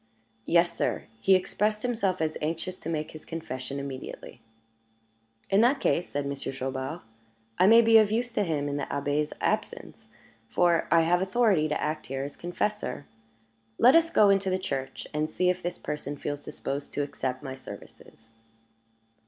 "Yes, sir; he expressed himself as anxious to make his confession immediately." "In that case," said Monsieur Chaubard, "I may be of use to him in the Abbé's absence, for I have authority to act here as confessor. Let us go into the church and see if this person feels disposed to accept my services."